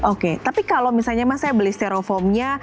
oke tapi kalau misalnya mas saya beli stereofomnya